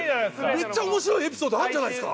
めっちゃ面白いエピソードあるじゃないですか。